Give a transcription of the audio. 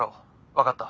分かった？